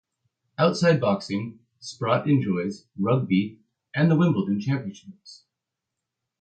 Outside boxing, Sprott enjoys rugby and the Wimbledon Championships.